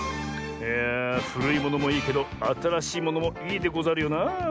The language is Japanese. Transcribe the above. いやあふるいものもいいけどあたらしいものもいいでござるよなあ。